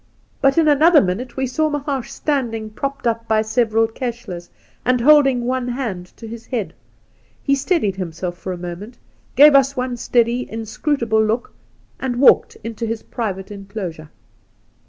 But in another minute we saw Mahaash standing propped up by several kehles, and holding one hand to his head. He steadied himself for a moment, gave us one steady, inscrutable look, and walked into his private enclosure.